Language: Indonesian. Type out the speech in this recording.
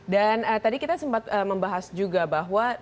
dan tadi kita sempat membahas juga bahwa